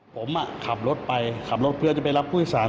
ผมขับรถไปขับรถเพื่อจะไปรับผู้โดยสาร